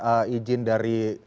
eh izin dari